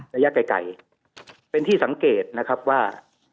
ระยะไกลเป็นที่สังเกตนะครับว่า